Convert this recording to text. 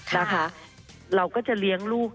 นะคะเราก็จะเลี้ยงลูก